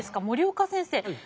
森岡先生。